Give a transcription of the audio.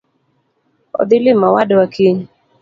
Adhii limo owadwa kiny.